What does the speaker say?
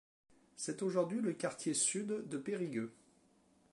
C'est aujourd'hui le quartier sud de Périgueux.